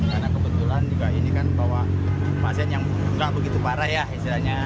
karena kebetulan juga ini kan bawa pasien yang kurang begitu parah ya istilahnya